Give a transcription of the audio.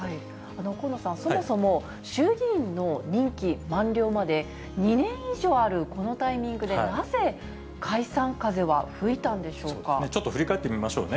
近野さん、そもそも衆議院の任期満了まで２年以上あるこのタイミングで、ちょっと振り返ってみましょうね。